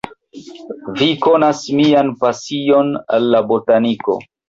Vi konas mian pasion al la botaniko.